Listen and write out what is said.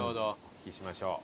お聞きしましょう。